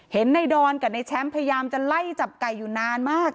เห็นในดอนกับในแชมป์พยายามจะไล่จับไก่อยู่นานมาก